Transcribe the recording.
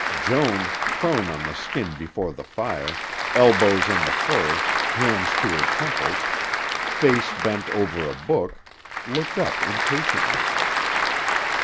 Joan, prone on the skin before the fire, elbows on the fur, hands to her temples, face bent over a book, looked up impatiently.